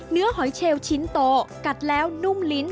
เนื้อหอยเชลล์ชิ้นโตกัดแล้วนุ่มลิ้น